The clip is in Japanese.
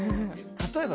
例えば。